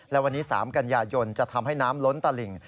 และวันนี้๓กันยายนจะทำให้น้ำล้นตลิ่ง